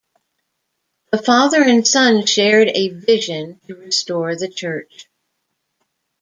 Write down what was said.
The father and son shared a vision to restore the church.